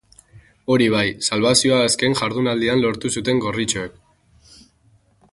Hori bai, salbazioa azken jardunaldian lortu zuten gorritxoek.